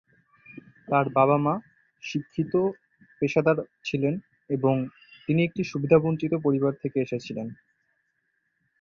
তাঁর বাবা-মা শিক্ষিত পেশাদার ছিলেন, এবং তিনি একটি সুবিধাবঞ্চিত পরিবার থেকে এসেছিলেন।